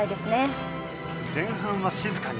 前半は静かに。